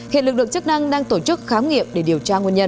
hiện lực lượng chức năng đang tổ chức khám nghiệm để điều tra nguồn nhân